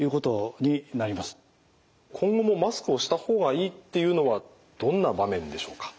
今後もマスクをした方がいいっていうのはどんな場面でしょうか？